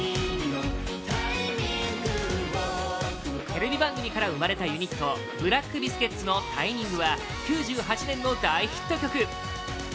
テレビ番組から生まれたユニットブラック・ビスケッツの「Ｔｉｍｉｎｇタイミング」は９８年の大ヒット曲